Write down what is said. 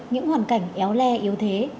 những hoàn cảnh éo le yếu thế